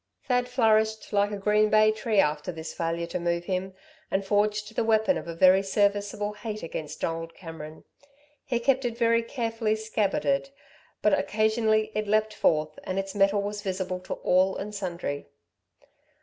Thad flourished like a green bay tree after this failure to move him, and forged the weapon of a very serviceable hate against Donald Cameron. He kept it very carefully scabbarded, but occasionally it leapt forth, and its mettle was visible to all and sundry.